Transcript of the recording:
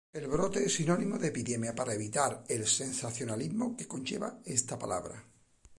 El brote es sinónimo de epidemia para evitar el sensacionalismo que conlleva esta palabra.